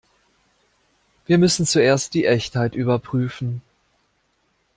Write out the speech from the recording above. Wir müssen zuerst die Echtheit überprüfen.